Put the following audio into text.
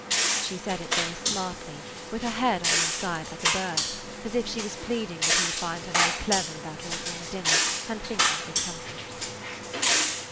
She said it very smartly, with her head on one side like a bird, as if she was pleading that he would find her very clever about ordering dinner and thinking of his comfort.